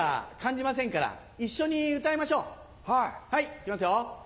いきますよ。